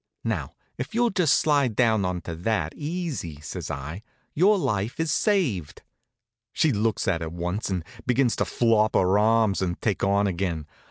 "Now if you'll just slide down onto that easy," says I, "your life is saved." She looks at it once, and begins to flop her arms and take on again.